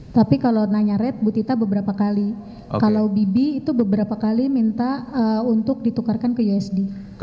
tapi kalau nanya red bu tita beberapa kali kalau bibi itu beberapa kali minta untuk ditukarkan ke usd